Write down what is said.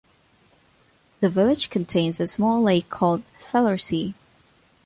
The village contains a small lake called Thalersee.